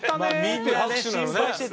みんなね心配してた。